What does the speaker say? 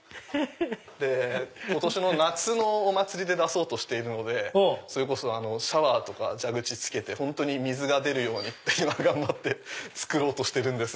今年の夏のお祭りで出そうとしているのでそれこそシャワーとか蛇口付けて本当に水が出るように今頑張って作ろうとしてるんです。